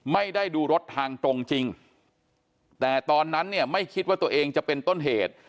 ไม่ได้ดูรถทางตรงจริงแต่ตอนนั้นเนี่ยไม่คิดว่าตัวเองจะเป็นต้นเหตุ